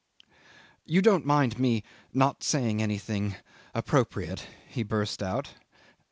"You don't mind me not saying anything appropriate," he burst out.